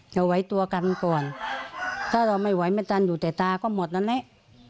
เราไว้ตัวกันก่อนถ้าเราไม่ไว้มันจันอยู่แต่ตาก็หมดแล้วแหละ